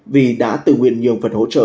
vì đã từng nguyện nhường phần hỗ trợ